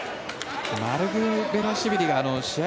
マルクベラシュビリが試合